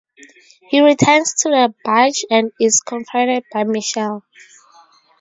He returns to the barge and is confronted by Michele.